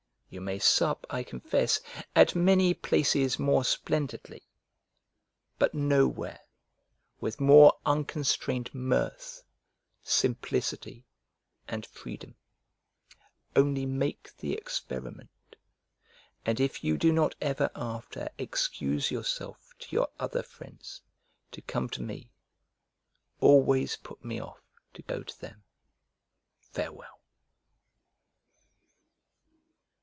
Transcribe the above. You may sup, I confess, at many places more splendidly; but nowhere with more unconstrained mirth, simplicity, and freedom: only make the experiment, and if you do not ever after excuse yourself to your other friends, to come to me, always put me off to go to them. Farewell.